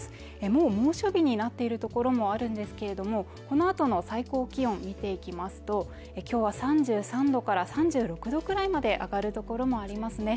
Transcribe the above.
もう猛暑日になっているところもあるんですけれども、このあとの最高気温、見ていきますと今日は３３度から３６度くらいまで上がる所もありますね。